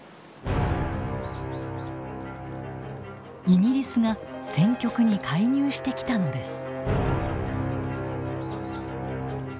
イギリスが戦局に介入してきたのです。